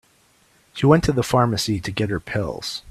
She went to the pharmacy to get her pills.